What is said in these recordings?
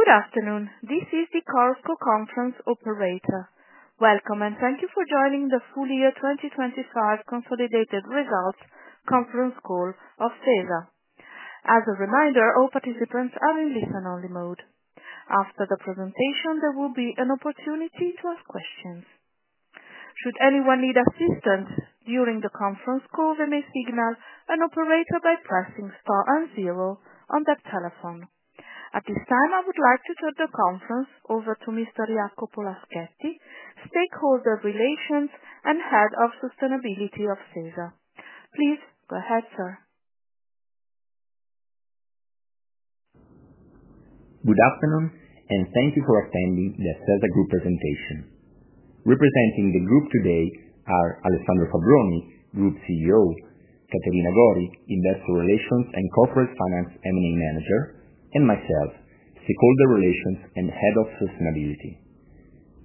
Good afternoon. This is the Chorus Call conference operator. Welcome and thank you for joining the full year 2025 consolidated results conference call of SeSa. As a reminder, all participants are in listen-only mode. After the presentation, there will be an opportunity to ask questions. Should anyone need assistance during the conference call, they may signal an operator by pressing star and zero on that telephone. At this time, I would like to turn the conference over to Mr. Jacopo Laschetti, Stakeholder Relations and Head of Sustainability of SeSa. Please go ahead, sir. Good afternoon and thank you for attending the presentation. Representing the group today are Alessandro Fabbroni, Group CEO, Caterina Gori, Investment Relations and Corporate Finance M&A Manager, and myself, Stakeholder Relations and Head of Sustainability.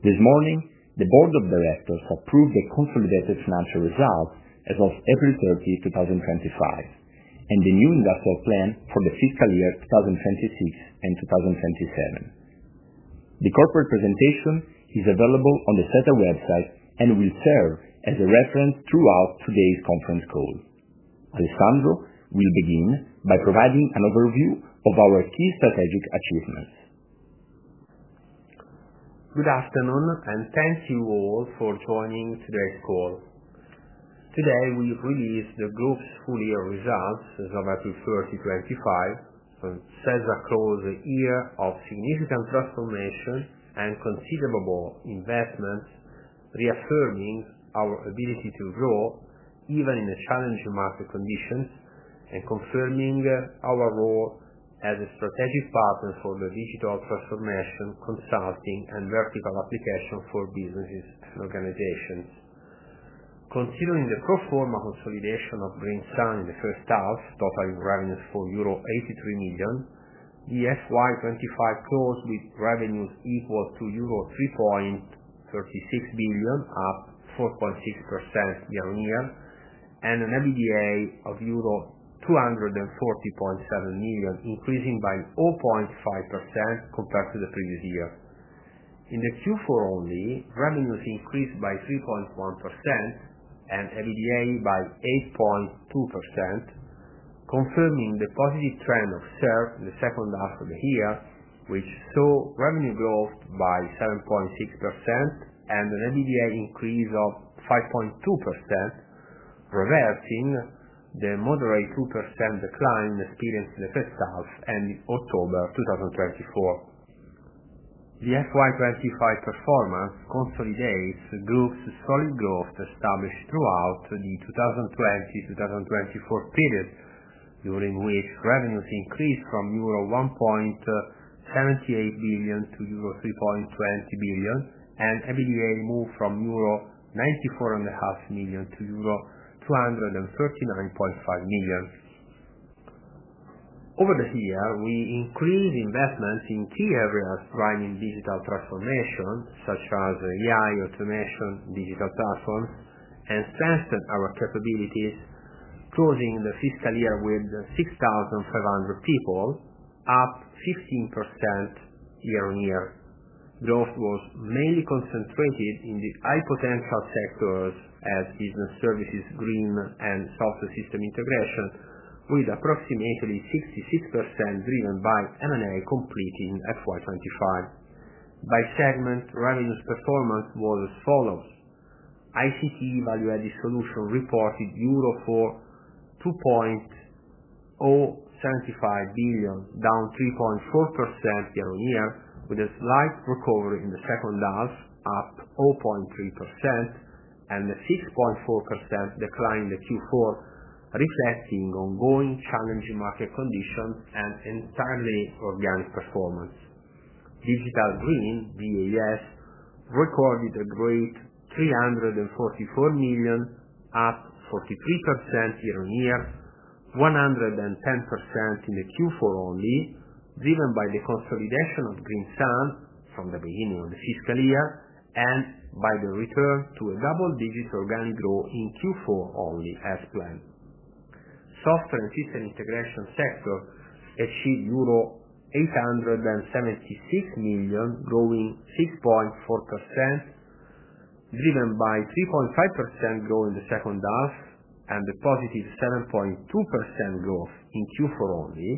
This morning, the Board of Directors approved the consolidated financial results as of April 30, 2025, and the new investment plan for the fiscal year 2026 and 2027. The corporate presentation is available on the website and will serve as a reference throughout today's conference call. Alessandro will begin by providing an overview of our key strategic achievements. Good afternoon and thank you all for joining today's call. Today, we've released the group's full year results as of April 30, 2025, which sees a closed year of significant transformation and considerable investments, reaffirming our ability to grow even in a challenging market condition and confirming our role as a strategic partner for the digital transformation, consulting, and vertical applications for businesses and organizations. Considering the pro forma consolidation of Bringstar in the first half, totaling revenues for euro 83 million, the FY 2025 closed with revenues equal to 3.36 billion, up 4.6%, and an EBITDA of euro 240.7 million, increasing by 0.5% compared to the previous year. In Q4 only, revenues increased by 3.1% and EBITDA by 8.2%, confirming the positive trend of SeSa in the second half of the year, which saw revenue growth by 7.6% and an EBITDA increase of 5.2%, reversing the moderate 2% decline experienced in the first half and in October 2024. The FY 2025 performance consolidates the group's solid growth established throughout the 2020-2024 period, during which revenues increased from euro 1.78 billion to euro 3.20 billion and EBITDA moved from euro 94.5 million to euro 239.5 million. Over the year, we increased investments in key areas driving digital transformation, such as AI, automation, digital platforms, and strengthened our capabilities, closing the fiscal year with 6,500 people, up 15% year on year. Growth was mainly concentrated in the high-potential sectors such as Business Services, green, and Software and System Integration, with approximately 66% driven by M&A completing FY 2025. By segment, revenues performance was as follows: ICT Value-Added Solutions reported EUR 2.075 billion, down 3.4% year on year, with a slight recovery in the second half, up 0.3%, and a 6.4% decline in Q4, reflecting ongoing challenging market conditions and entirely organic performance. Digital Green VAS recorded a great 344 million, up 43% year on year, 110% in Q4 only, driven by the consolidation of GreenSun from the beginning of the fiscal year and by the return to a double-digit organic growth in Q4 only as planned. Software and System Integration sector achieved euro 876 million, growing 6.4%, driven by 3.5% growth in the second half and the positive 7.2% growth in Q4 only,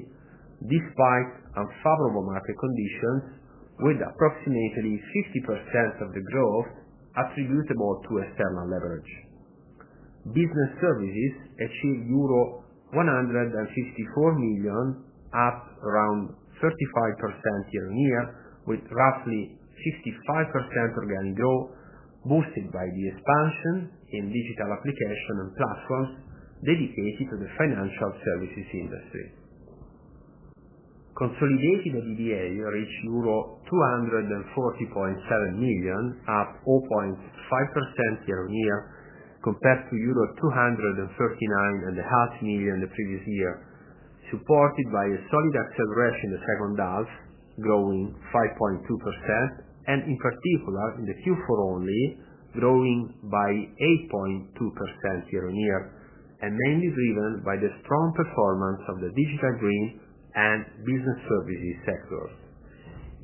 despite unfavorable market conditions, with approximately 50% of the growth attributable to external leverage. Business Services achieved euro 154 million, up around 35% year on year, with roughly 65% organic growth, boosted by the expansion in digital application and platforms dedicated to the financial services industry. Consolidated EBITDA reached euro 240.7 million, up 0.5% year on year, compared to euro 239.5 million in the previous year, supported by a solid acceleration in the second half, growing 5.2%, and in particular, in Q4 only, growing by 8.2% year on year, and mainly driven by the strong performance of the Digital Green and Business Services sectors.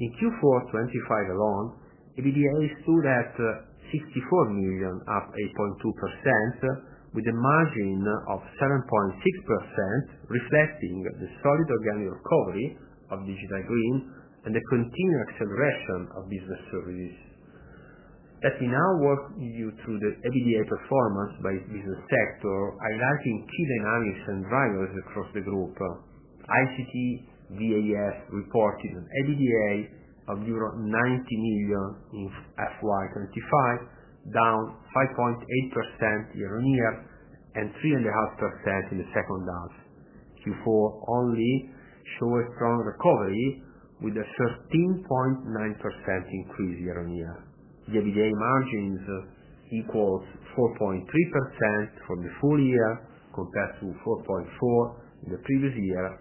In Q4 2025 alone, EBITDA stood at 64 million, up 8.2%, with a margin of 7.6%, reflecting the solid organic recovery of Digital Green and the continued acceleration of Business Services. As we now walk you through the EBITDA performance by business sector, I'd like to include an analysis and values across the group. ICT Value-Added Solutions (ICT DAS) reported an EBITDA of euro 90 million in FY 2025, down 5.8% year on year and 3.5% in the second half. Q4 only showed a strong recovery with a 13.9% increase year on year. The EBITDA margins equal 4.3% for the full year compared to 4.4% in the previous year,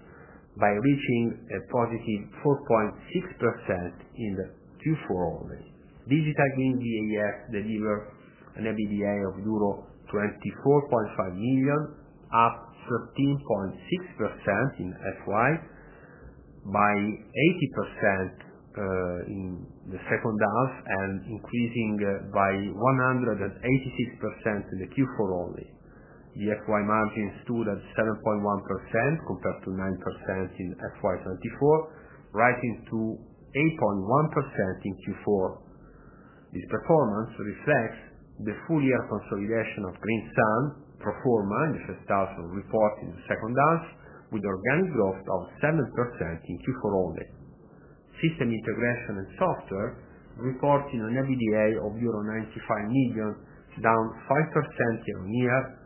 by reaching a positive 4.6% in Q4 only. Digital Green VAS delivered an EBITDA of euro 24.5 million, up 13.6% in FY, by 80% in the second half, and increasing by 186% in Q4 only. The FY margins stood at 7.1% compared to 9% in FY 2024, rising to 8.1% in Q4. This performance reflects the full year consolidation of GreenSun's pro forma in the first half reported in the second half, with organic growth of 7% in Q4 only. Software and System Integration reported an EBITDA of euro 95 million, down 5% year on year,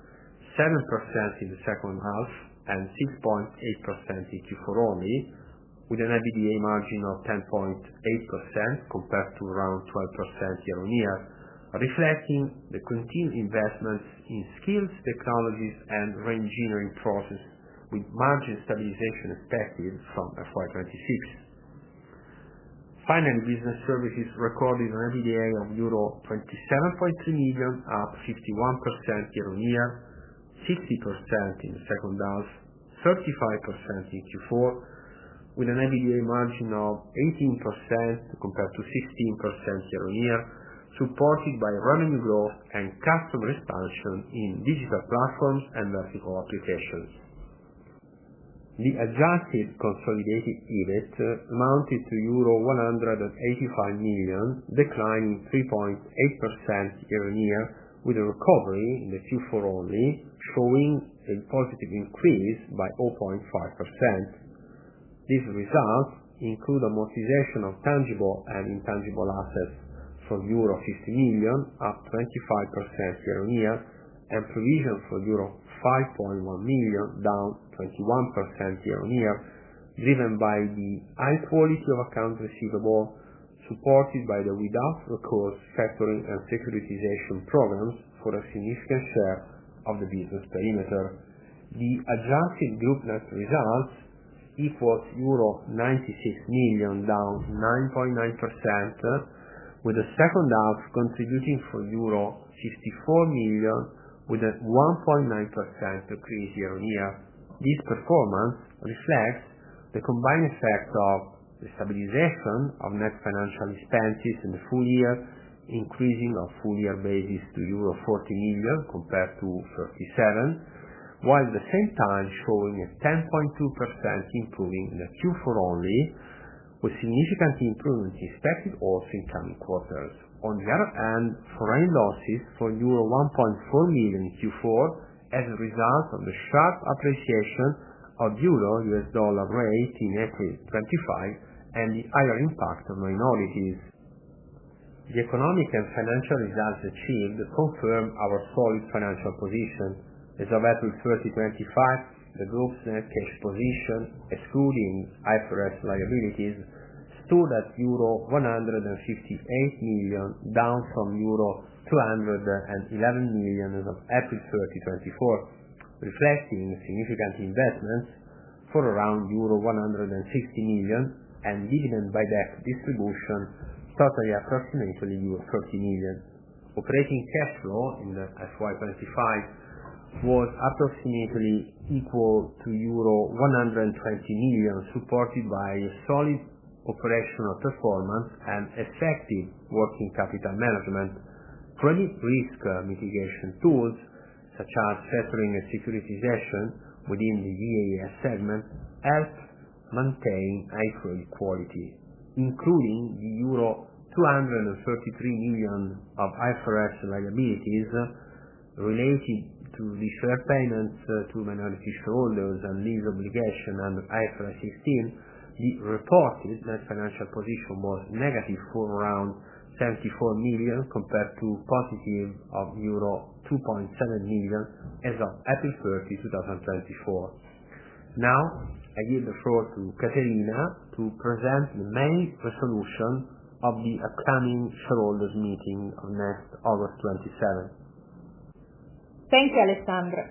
7% in the second half, and 6.8% in Q4 only, with an EBITDA margin of 10.8% compared to around 12% year on year, reflecting the continued investments in skills, technologies, and re-engineering process, with margin stabilization expected from FY 2026. Finally, Business Services recorded an EBITDA of euro 27.3 million, up 51% year on year, 50% in the second half, 35% in Q4, with an EBITDA margin of 18% compared to 16% year on year, supported by revenue growth and customer expansion in digital platforms and vertical applications. The adjusted consolidated EBIT amounted to EUR 185 million, declining 3.8% year on year, with a recovery in Q4 only, showing a positive increase by 0.5%. These results include an amortization of tangible and intangible assets from euro 50 million, up 25% year on year, and provisions for euro 5.1 million, down 21% year on year, driven by the high quality of accounts receivable, supported by the without recourse factoring and securitization programs for a significant share of the business perimeter. The adjusted group net results equals EUR 96 million, down 9.9%, with the second half contributing euro 64 million, with a 1.9% decrease year on year. This performance reflects the combined effect of the stabilization of net financial expenses in the full year, increasing on a full year basis to euro 40 million compared to 37 million, while at the same time showing a 10.2% improvement in Q4 only, with significant improvements expected also in the coming quarters. On the other hand, foreign losses for euro 1.4 million in Q4 as a result of the stark appreciation of the EUR/USD rate in April 25 and the other impact on minorities. The economic and financial results achieved confirm our solid financial position. As of April 30, 2025, the group's net cash position, excluding IRS liabilities, stood at euro 158 million, down from euro 211 million as of April 30, 2024, reflecting significant investments for around euro 160 million and dividend by debt distribution started at approximately euro 30 million. Operating cash flow in FY 2025 was approximately equal to euro 120 million, supported by a solid operational performance and effective working capital management. Credit risk mitigation tools, such as factoring and securitization within the DAS segment, helped maintain IRS equality, including the euro 233 million of IRS liabilities related to the fair payments to minority shareholders and lease obligation under IFRS 16. The reported net financial position was negative for around 34 million compared to positive of €2.7 million as of April 30, 2024. Now, I give the floor to Caterina to present the main resolution of the accounting shareholders meeting of next August 27. Thank you, Alessandro.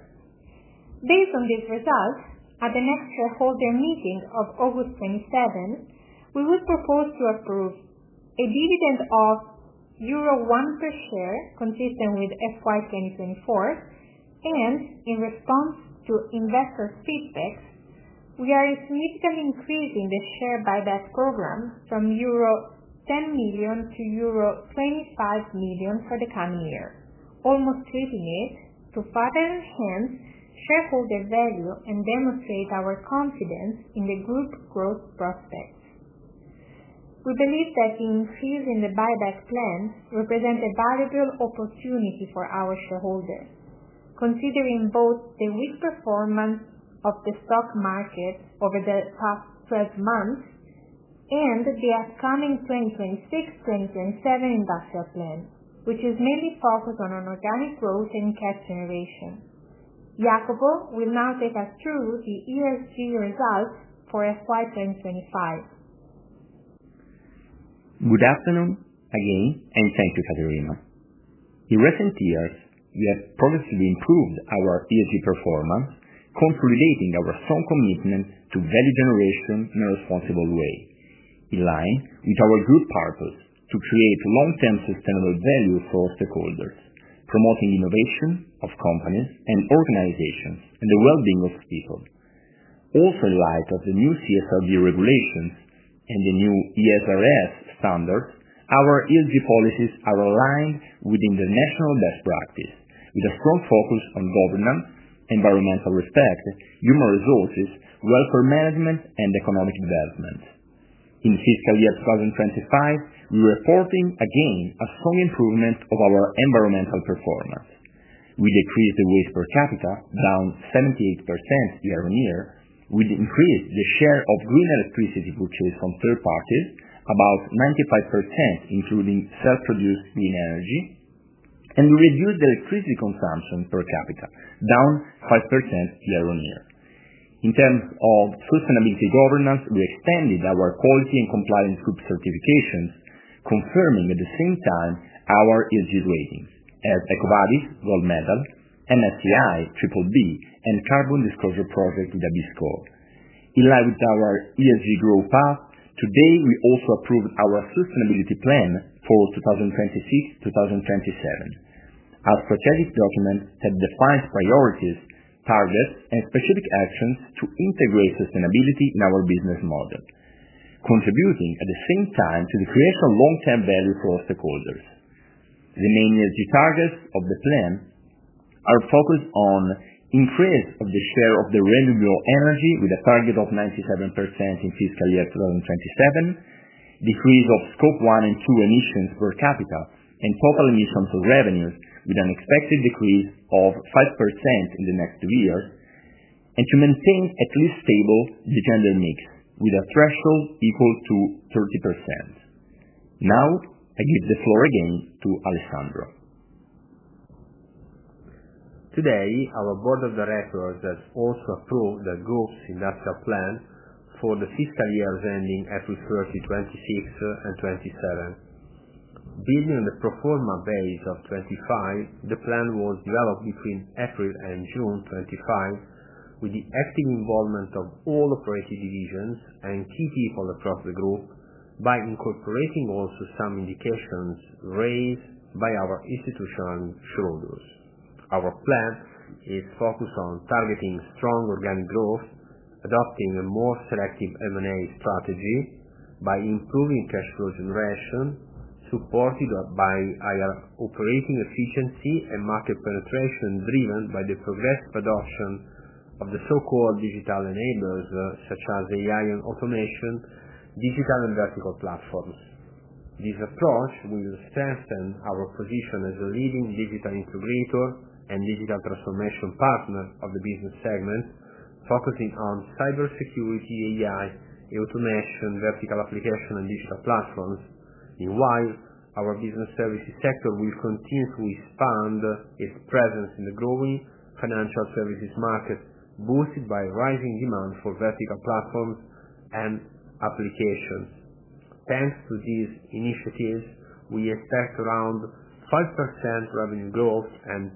Based on these results, at the next shareholder meeting of August 27, we would propose to approve a dividend of euro 1 per share, consistent with FY 2024, and in response to investor feedback, we are significantly increasing the share buyback program from euro 10 million to euro 25 million for the coming year, almost creating it to further enhance shareholder value and demonstrate our confidence in the group growth prospects. We believe that the increase in the buyback plans represents a valuable opportunity for our shareholders, considering both the weak performance of the stock market over the past 12 months and the upcoming 2026-2027 industrial plan, which is mainly focused on organic growth and cash generation. Jacopo will now take us through the ESG results for FY 2025. Good afternoon again, and thank you, Caterina. In recent years, we have progressively improved our ESG performance, consolidating our strong commitment to value generation in a responsible way, in line with our group purpose to create long-term sustainable value for stakeholders, promoting innovation of companies and organizations and the well-being of people. Also, in light of the new CSRD regulations and the new ESRS standards, our ESG policies are aligned within the national best practice, with a strong focus on governance, environmental respect, human resources, welfare management, and economic development. In the fiscal year 2025, we're reporting again a strong improvement of our environmental performance. We decreased the waste per capita, down 78% year on year, with an increase in the share of green electricity purchased from third parties, about 95%, including self-produced clean energy, and we reduced the electricity consumption per capita, down 5% year on year. In terms of sustainability governance, we extended our quality and compliance group certifications, confirming at the same time our ESG ratings, as Eco-Buddy Gold Medal, MATI Triple B, and Carbon Disclosure Project with a B score. In line with our ESG growth path, today we also approved our sustainability plan for 2026-2027. Our strategic documents have defined priorities, targets, and specific actions to integrate sustainability in our business model, contributing at the same time to the creation of long-term value for stakeholders. The main ESG targets of the plan are focused on increase of the share of the renewable energy with a target of 97% in fiscal year 2027, decrease of scope one and two emissions per capita, and total emissions to revenues with an expected decrease of 5% in the next two years, and to maintain at least stable the gender mix with a threshold equal to 30%. Now, I give the floor again to Alessandro. Today, our Board of Directors has also approved the growth industrial plan for the fiscal year ending April 30, 2026 and 2027. Building on the pro forma base of 2025, the plan was developed between April and June 2025 with the active involvement of all operating divisions and key people across the group by incorporating also some indications raised by our institutional shareholders. Our plan is focused on targeting strong organic growth, adopting a more selective M&A strategy by improving cash flow generation, supported by our operating efficiency and market penetration driven by the progressive adoption of the so-called digital enablers, such as AI and automation, digital and vertical platforms. This approach will strengthen our position as a leading digital incubator and digital transformation partner of the business segment, focusing on cybersecurity, AI, automation, vertical applications, and digital platforms. Meanwhile, our Business Services sector will continue to expand its presence in the growing financial services market, boosted by rising demand for vertical platforms and applications. Thanks to these initiatives, we expect around 5% revenue growth and 10%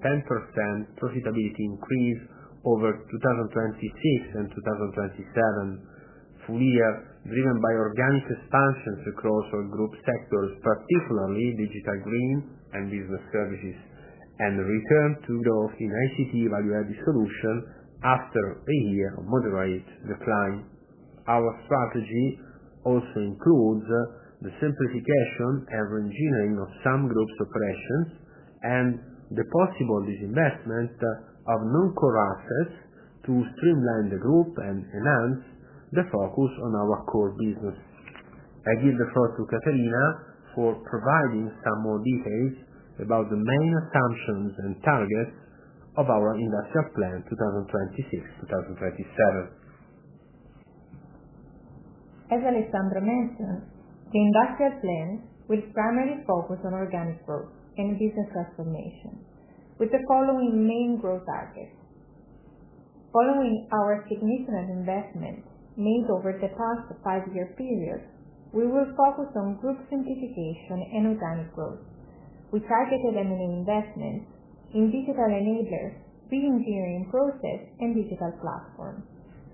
profitability increase over 2026 and 2027 full year, driven by organic expansion across our group sectors, particularly Digital Green and Business Services, and the return to growth in ICT Value-Added Solutions after a year of moderate decline. Our strategy also includes the simplification and re-engineering of some group's operations and the possible divestment of non-core assets to streamline the group and enhance the focus on our core business. I give the floor to Caterina for providing some more details about the main assumptions and targets of our industrial plan 2026-2027. As Alessandro mentioned, the industrial plan will primarily focus on organic growth and business transformation, with the following main growth targets. Following our significant investment made over the past five-year period, we will focus on group simplification and organic growth. We targeted M&A investments in digital enablers, re-engineering process, and digital platforms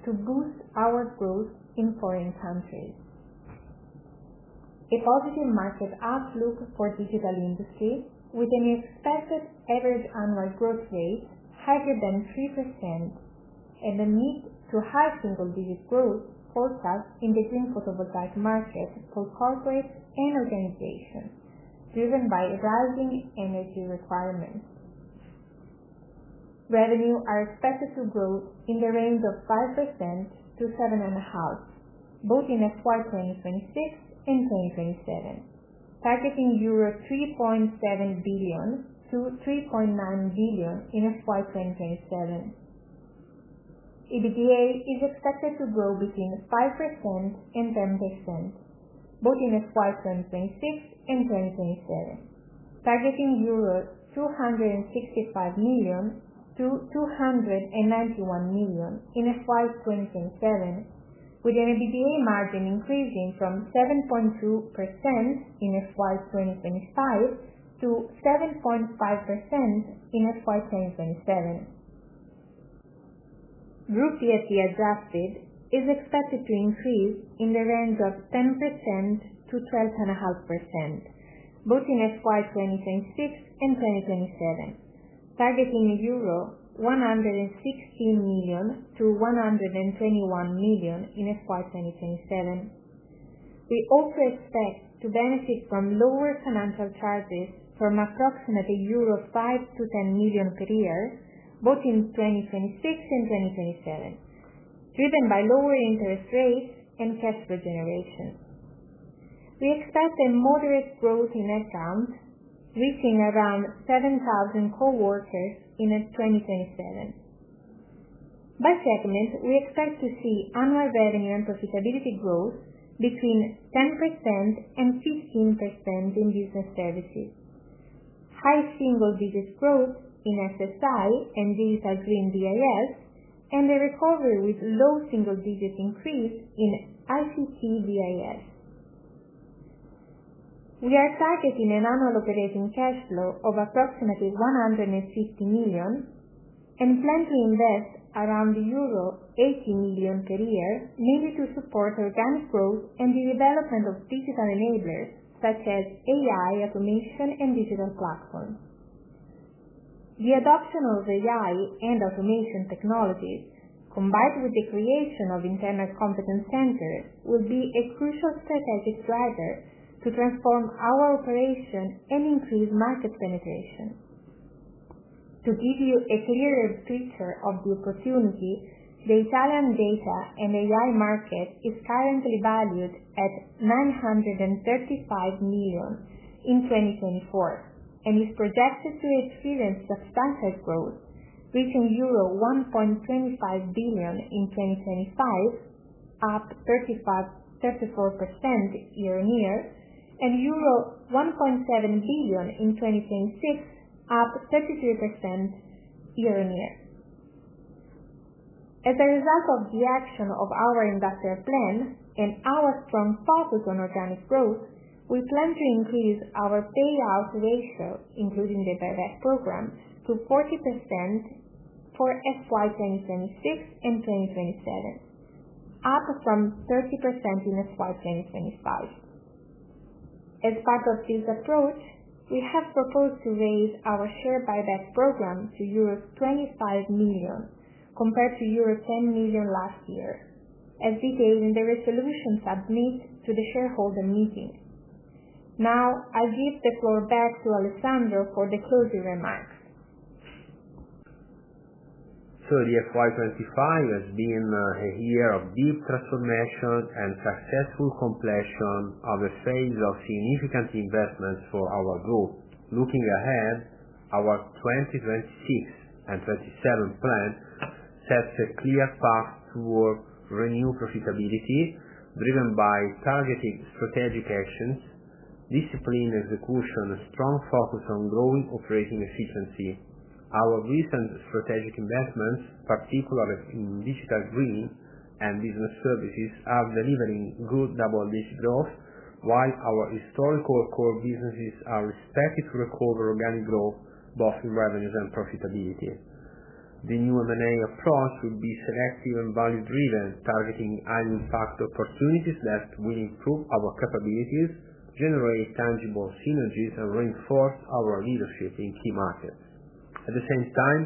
to boost our growth in foreign countries. A positive market outlook for the digital industry, with an expected average annual growth rate higher than 3% and a mid to high single-digit growth forecast in the green photovoltaic market for corporates and organizations, driven by rising energy requirements. Revenue are expected to grow in the range of 5%-7.5%, both in FY 2026 and 2027, targeting 3.7 billion-3.9 billion euro in FY 2027. EBITDA is expected to grow between 5% and 10%, both in FY 2026 and 2027, targeting 265 million-291 million euro in FY 2027, with an EBITDA margin increasing from 7.2% in FY 2025 to 7.5% in FY 2027. Group ERP adjusted is expected to increase in the range of 10%-12.5%, both in FY 2026 and 2027, targeting 116 million-121 million euro in FY 2027. We also expect to benefit from lower financial charges from approximately 5 million-10 million euro per year, both in 2026 and 2027, driven by lower interest rates and cash flow generation. We expect a moderate growth in accounts, reaching around 7,000 coworkers in 2027. By segment, we expect to see annual revenue and profitability growth between 10% and 15% in Business Services, high single-digit growth in SSI and DG VAS, and a recovery with low single-digit increase in ICT DAS. We are targeting an annual operating cash flow of approximately 150 million and plan to invest around euro 80 million per year, mainly to support organic growth and the development of digital enablers, such as AI, automation, and digital platforms. The adoption of AI and automation technologies, combined with the creation of an internet competence center, will be a crucial strategic driver to transform our operation and increase market penetration. To give you a clearer picture of the opportunity, the Italian data and AI market is currently valued at 935 million in 2024 and is projected to experience substantial growth, reaching euro 1.25 billion in 2025, up 34% year on year, and EUR 1.7 billion in 2026, up 33% year on year. As a result of the action of our industrial plan and our strong focus on organic growth, we plan to increase our payout ratio, including the buyback program, to 40% for FY 2026 and FY 2027, up from 30% in FY 2025. As part of this approach, we have proposed to raise our share buyback program to euro 25 million compared to euro 10 million last year, as detailed in the resolutions submitted to the shareholder meeting. Now, I'll give the floor back to Alessandro for the closing remarks. The FY 2025 has been a year of deep transformation and successful completion of a phase of significant investments for our group. Looking ahead, our 2026 and 2027 plan sets a clear path toward renewed profitability, driven by targeted strategic actions, disciplined execution, and a strong focus on growing operating efficiency. Our recent strategic investments, particularly in Digital Green and Business Services, are delivering good double-digit growth, while our historical core businesses are expected to recover organic growth, both in revenues and profitability. The new M&A approach will be selective and value-driven, targeting high-impact opportunities that will improve our capabilities, generate tangible synergies, and reinforce our leadership in key markets. At the same time,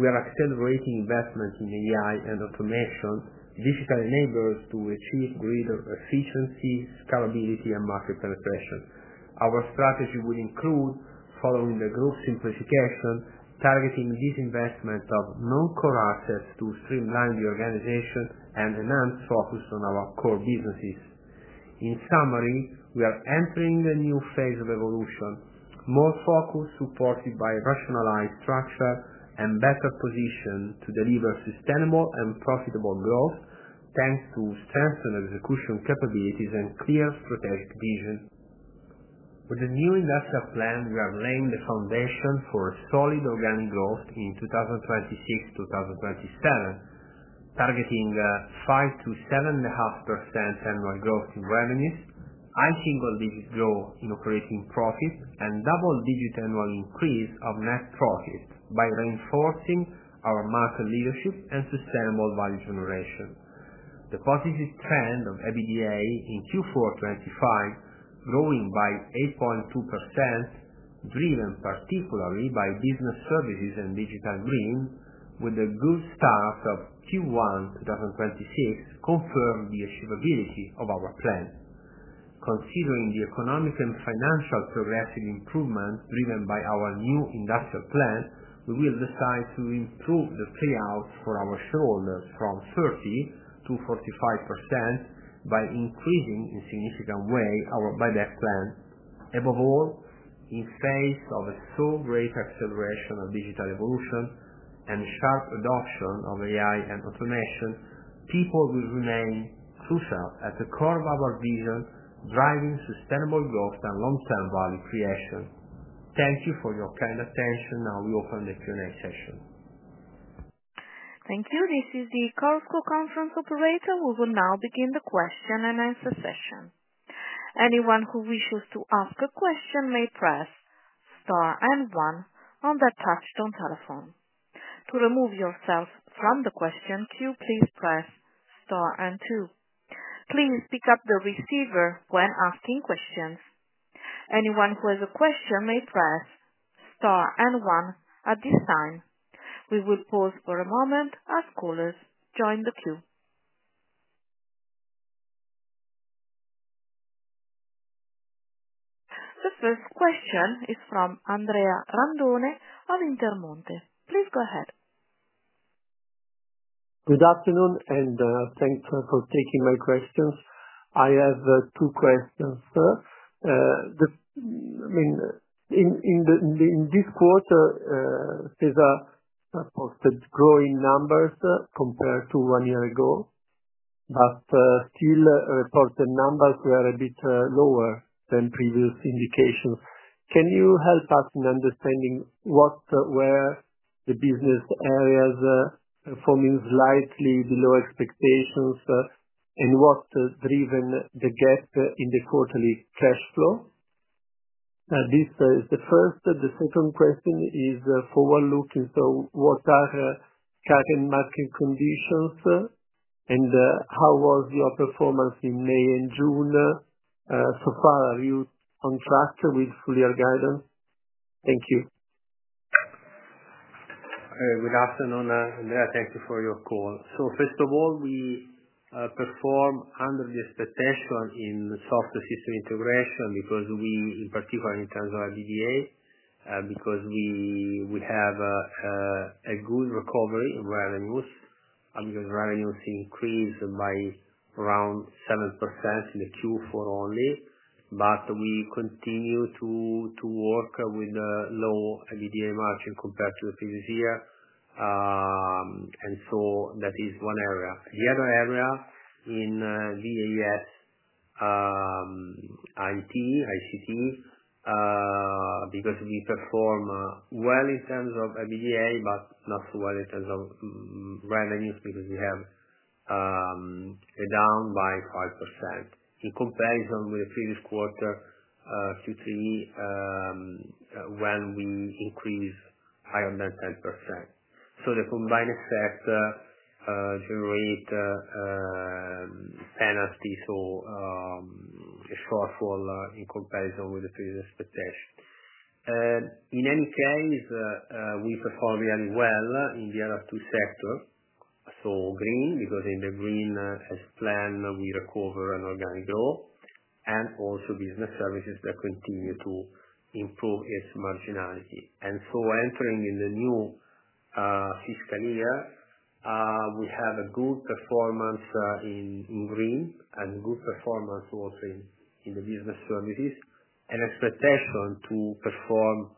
we are accelerating investments in AI and automation, digital enablers to achieve greater efficiency, scalability, and market penetration. Our strategy will include, following the group simplification, targeting divestment of non-core assets to streamline the organization and enhance focus on our core businesses. In summary, we are entering the new phase of evolution, more focus supported by a rationalized structure and better position to deliver sustainable and profitable growth, thanks to strengthened execution capabilities and clear strategic vision. With the new industrial plan, we have laid the foundation for a solid organic growth in 2026-2027, targeting 5%-7.5% annual growth in revenues, high single-digit growth in operating profits, and double-digit annual increase of net profits by reinforcing our market leadership and sustainable value generation. The positive trend of EBITDA in Q4 2025, growing by 8.2%, driven particularly by Business Services and Digital Green, with a good start of Q1 2026, confirms the achievability of our plan. Considering the economic and financial progressive improvements driven by our new industrial plan, we will decide to improve the payout ratio for our shareholders from 30% to 45% by increasing in a significant way our buyback plan. Above all, in the face of a so great acceleration of digital evolution and sharp adoption of AI and automation, people will remain crucial at the core of our vision, driving sustainable growth and long-term value creation. Thank you for your kind attention. Now we open the Q&A session. Thank you. This is the Chorus Call conference operator. We will now begin the question and answer session. Anyone who wishes to ask a question may press star and one on the touch-tone telephone. To remove yourself from the question queue, please press star and two. Please pick up the receiver when asking questions. Anyone who has a question may press star and one at this time. We will pause for a moment as callers join the queue. The first question is from Andrea Randone of Intermonte. Please go ahead. Good afternoon and thanks for taking my questions. I have two questions. In this quarter, SeSa reported growing numbers compared to one year ago, but still reported numbers were a bit lower than previous indications. Can you help us in understanding what were the business areas performing slightly below expectations and what drove the gap in the quarterly cash flow? This is the first. The second question is forward-looking. What are current market conditions and how was your performance in May and June? Are you on track with full year guidance? Thank you. Good afternoon, Andrea. Thank you for your call. First of all, we perform under the status in Software and System Integration because we, in particular, in terms of EBITDA, have a good recovery in revenues. Revenues increased by around 7% in Q4 only, but we continue to work with a low EBITDA margin compared to the previous year. That is one area. The other area in VAS ICT, because we perform well in terms of EBITDA, but not so well in terms of revenues because we have a down by 5% in comparison with the previous quarter Q3 when we increased by 110%. The combined effects generate penalties, so a shortfall in comparison with the previous statistics. In any case, we performed well in the other two sectors. Green, because in the green as planned, we recover an organic growth and also Business Services that continue to improve its marginality. Entering in the new fiscal year, we have a good performance in green and good performance also in Business Services and expectation to perform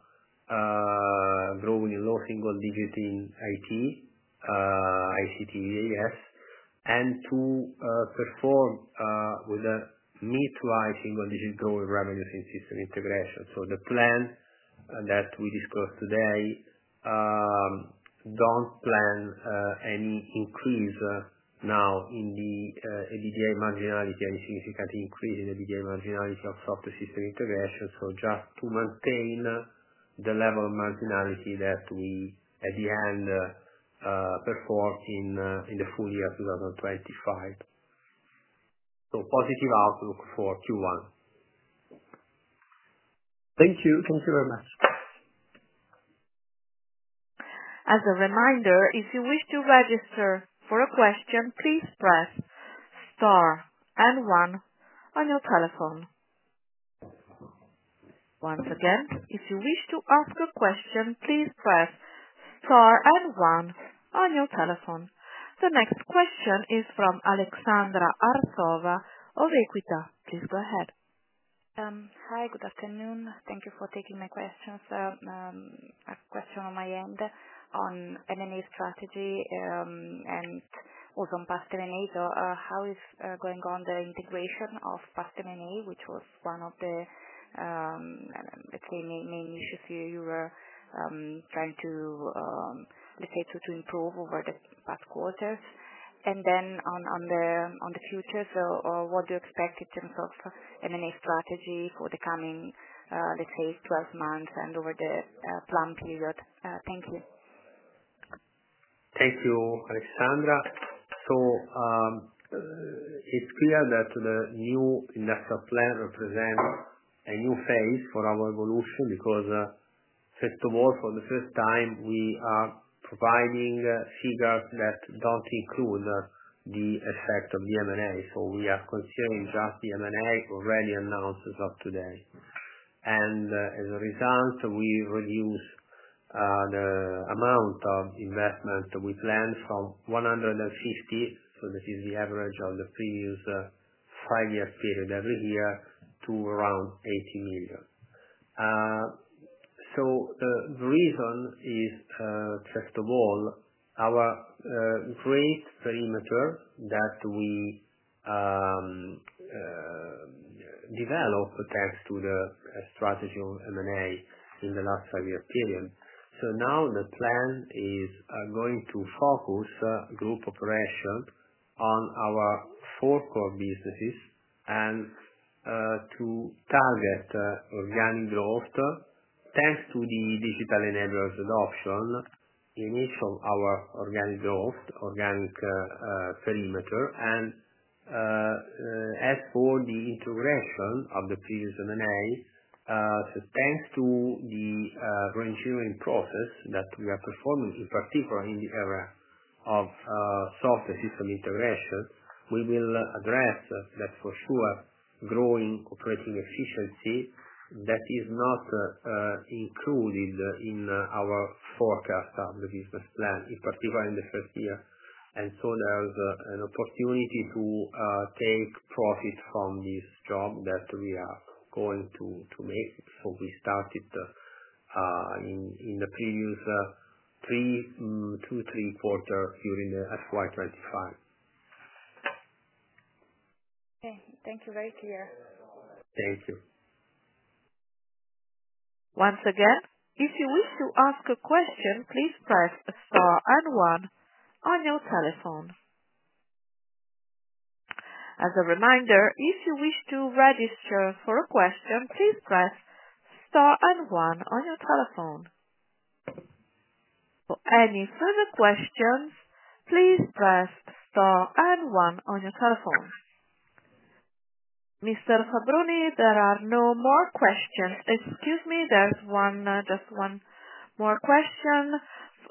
growing in low single-digit in IT, ICT VAS yes, and to perform with a mid-life single-digit growth revenues in System Integration. The plan that we discussed today doesn't plan any increase now in the EBITDA marginality, any significant increase in EBITDA marginality of Software and System Integration. Just to maintain the level of marginality that we at the end performed in the full year 2025. Positive outlook for Q1. Thank you. Thank you very much. As a reminder, if you wish to register for a question, please press star and one on your telephone. Once again, if you wish to ask a question, please press star and one on your telephone. The next question is from Aleksandra Arsova of Equita. Please go ahead. Hi. Good afternoon. Thank you for taking my questions. I have a question on my end on M&A strategy and also on past M&A. How is going on the integration of past M&A, which was one of the main issues you were trying to improve over the past quarters? On the future, what do you expect in terms of M&A strategy for the coming 12 months and over the planned period? Thank you. Thank you, Aleksandra. It's clear that the new industrial plan represents a new phase for our evolution because, first of all, for the first time, we are providing figures that don't include the effect of the M&A. We are considering just the M&A already announced as of today. As a result, we reduce the amount of investment we planned from 150 million, so this is the average of the previous five-year period every year, to around 80 million. The reason is, first of all, our growth perimeter that we developed thanks to the strategy of M&A in the last five-year period. Now the plan is going to focus group operations on our four core businesses and to target organic growth thanks to the digital enablers' adoption, initial our organic growth, organic perimeter, and as for the integration of the previous M&A thanks to the re-engineering process that we are performing, in particular in the area of Software and System Integration. We will address that for sure, growing operating efficiency that is not included in our forecast of the business plan, in particular in the first year. There's an opportunity to take profit from this job that we are going to make. We started in the previous two to three quarters during the FY 2025. Thank you, very clear. Thank you. Once again, if you wish to ask a question, please press star and one on your telephone. As a reminder, if you wish to register for a question, please press star and one on your telephone. For any further questions, please press star and one on your telephone. Mr. Fabbroni, there are no more questions. Excuse me, there's just one more question,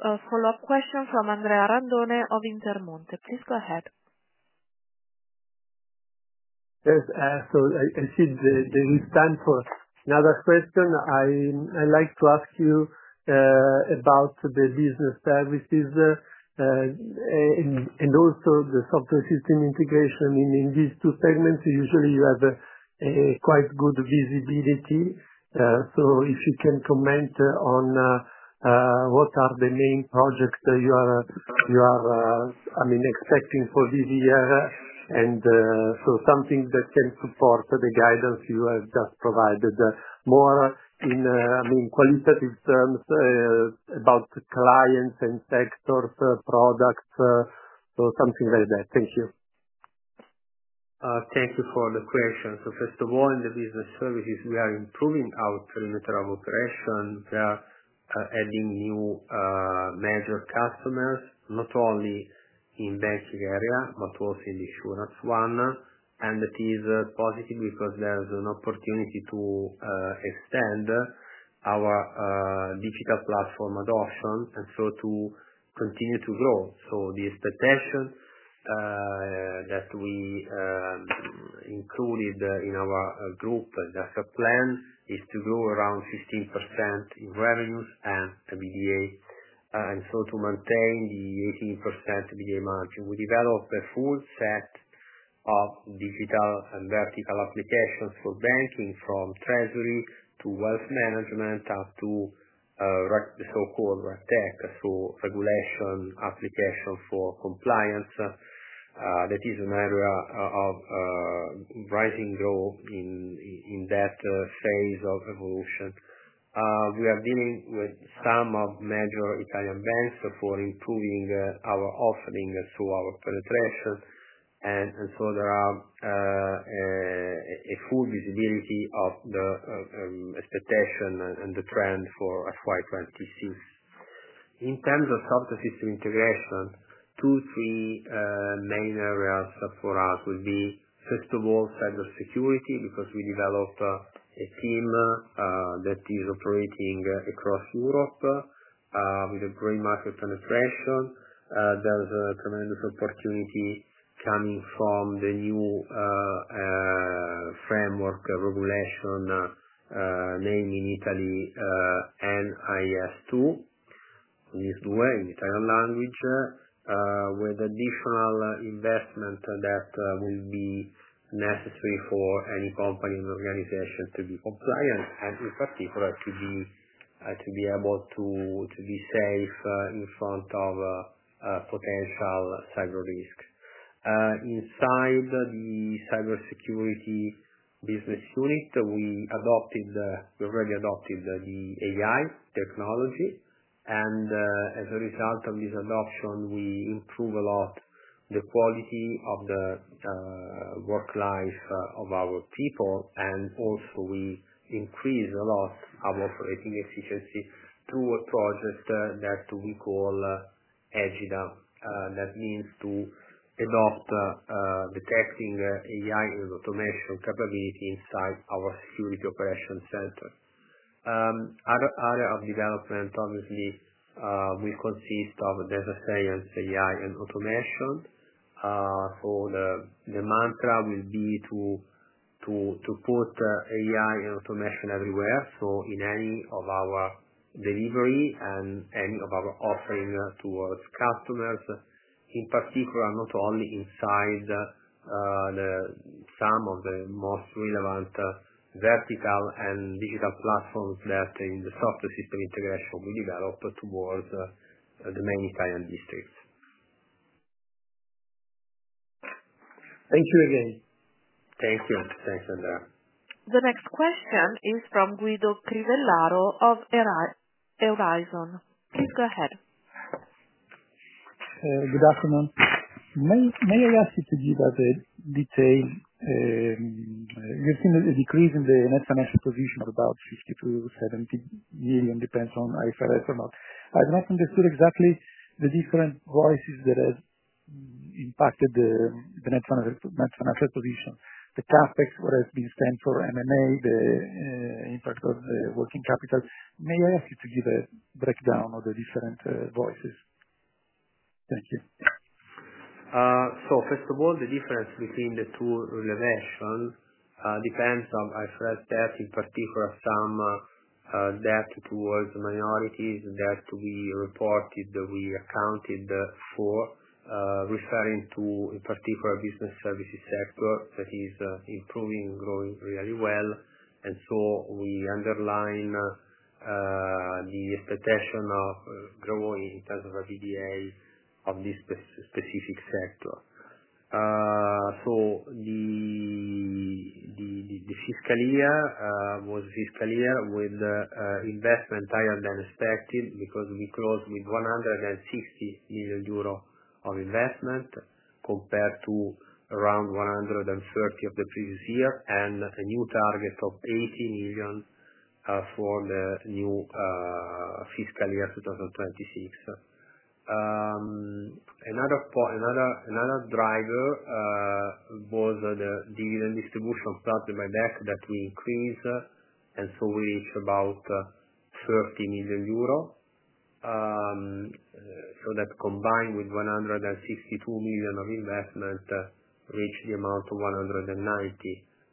a follow-up question from Andrea Randone of Intermonte. Please go ahead. Yes. I see there is time for another question. I'd like to ask you about the Business Services and also the Software and System Integration. In these two segments, usually you have quite good visibility. If you can comment on what are the main projects that you are expecting for this year, and something that can support the guidance you have just provided, more in qualitative terms about clients and sector products, or something like that. Thank you. Thank you for the question. First of all, in the Business Services, we are improving our perimeter of operations and adding new major customers, not only in the banking area, but also in the insurance one. It is positive because there's an opportunity to extend our digital platform adoption and to continue to grow. The expectation that we included in our group industrial plan is to grow around 15% in revenues and EBITDA, and to maintain the 18% EBITDA margin. We developed a full set of digital and vertical applications for banking, from treasury to wealth management up to the so-called reg tech, so regulation application for compliance. That is an area of rising growth in that phase of evolution. We are dealing with some major Italian banks for improving our offering through our penetration. There is full visibility of the expectation and the trend for FY 2026. In terms of Software and System Integration, two, three main areas for us would be, first of all, cybersecurity because we developed a team that is operating across Europe with a great market penetration. There is a tremendous opportunity coming from the new framework regulation named in Italy, NIS2, in Italian language, with additional investment that will be necessary for any company or organization to be compliant and, in particular, to be able to be safe in front of potential cyber risk. Inside the cybersecurity business unit, we already adopted the AI technology. As a result of this adoption, we improve a lot the quality of the work life of our people. Also, we increase a lot of operating efficiency through a project that we call Agida. That means to adopt detecting AI and automation capability inside our security operations center. Other areas of development, obviously, consist of data science, AI, and automation. The mantra will be to put AI and automation everywhere. In any of our delivery and any of our offering towards customers, in particular, not only inside some of the most relevant vertical and digital platforms that in the Software and System Integration we develop towards the main Italian districts. Thank you again. Thank you. Thanks, Andrea. The next question is from Guido Crivellaro of Eurizon. Please go ahead. Good afternoon. May I ask you to give a bit of detail? You're seeing a decrease in the net financial position of about 53 million or EUR €70 million. It depends on if I read or not. I'm not understood exactly the different voices that have impacted the net financial position. The CapEx, what has been spent for M&A, the impact of the working capital. May I ask you to give a breakdown of the different voices? Thank you. First of all, the difference between the two relations depends on IRS debt, in particular, some debt towards minorities that we reported, that we accounted for, referring to a particular Business Services sector that is improving and growing really well. We underline the expectation of growing in terms of EBITDA of this specific sector. The fiscal year was a fiscal year with investment higher than expected because we closed with 160 million euro of investment compared to around 130 million of the previous year and a new target of 80 million for the new fiscal year 2026. Another driver was the dividend distribution of partner buyback that we increased, and it's about 30 million euro. That combined with 162 million of investment reached the amount of 190 million.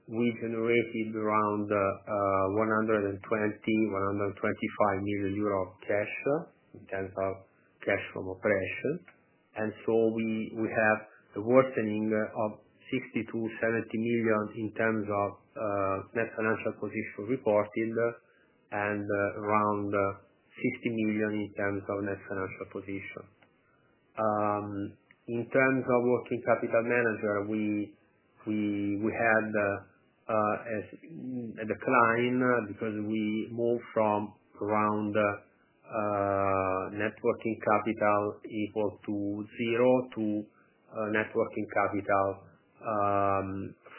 We generated around 120 million-125 million euro of cash in terms of cash from operations. We have a worsening of 60 million-70 million in terms of net financial position reported and around 50 million in terms of net financial position. In terms of working capital management, we had a decline because we moved from around net working capital equal to zero to net working capital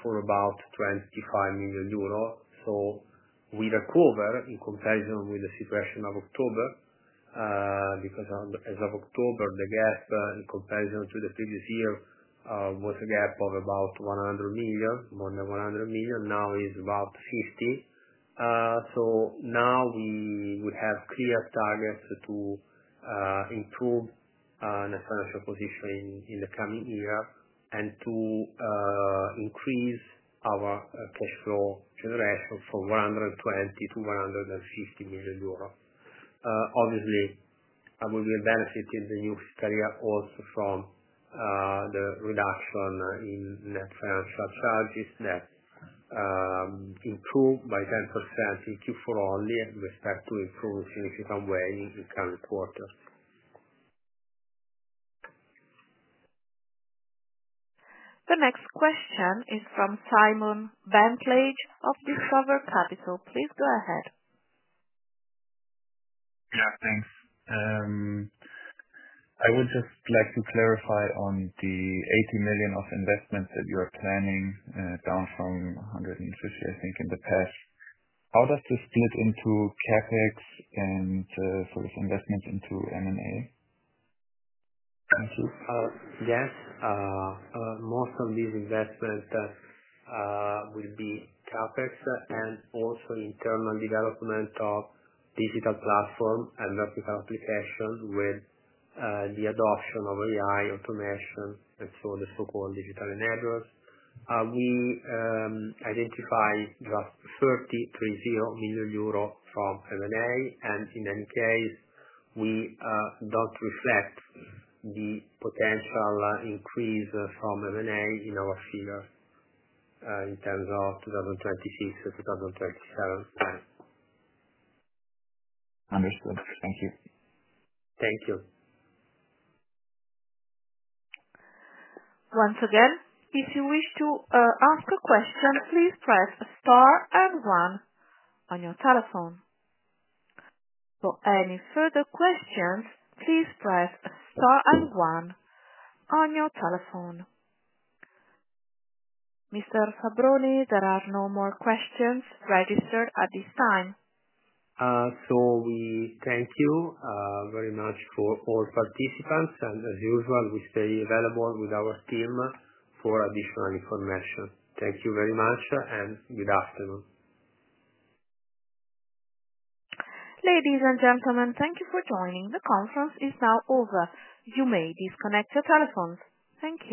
for about 25 million euros. We recovered in comparison with the situation of October because as of October, the gap in comparison to the previous year was a gap of about 100 million, more than 100 million. Now it's about 50 million. We have clear targets to improve net financial position in the coming year and to increase our cash flow generation from 120 million to 150 million euro. Obviously, we will benefit in the new fiscal year also from the reduction in net financial services that improved by 10% in Q4 only, and we expect to improve in a significant way in the current quarter. The next question is from Simon Bentlage of Discover Capital. Please go ahead. Yeah, thanks. I would just like to clarify on the 80 million of investments that you are planning, down from EUR 150 million, I think, in the past. Are those split into CapEx and those investments into M&A? Yes. Most of these investments will be CapEx and also internal development of digital platforms and vertical applications with the adoption of AI, automation, and the so-called digital enablers. We identify roughly 30 million euro from M&A. In any case, we don't reflect the potential increase from M&A in our figure in terms of 2026 to 2027 space. Understood. Thank you. Thank you. Once again, if you wish to ask a question, please press star and one on your telephone. For any further questions, please press star and one on your telephone. Mr. Fabbroni, there are no more questions registered at this time. We thank you very much for all participants, and as usual, we stay available with our team for additional information. Thank you very much, and good afternoon. Ladies and gentlemen, thank you for joining. The conference is now over. You may disconnect your telephones. Thank you.